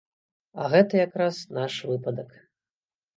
А гэта якраз наш выпадак.